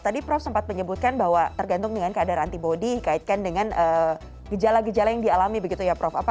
tadi prof sempat menyebutkan bahwa tergantung dengan kadar antibody kaitkan dengan gejala gejala yang dialami begitu ya prof